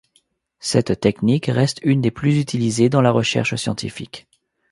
Cette technique reste une des plus utilisées dans la recherche scientifique.